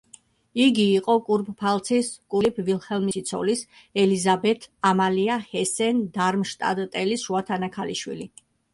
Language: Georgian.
იგი იყო კურპფალცის კურფიურსტ ფილიპ ვილჰელმისა და მისი ცოლის, ელიზაბეთ ამალია ჰესენ-დარმშტადტელის შუათანა ქალიშვილი.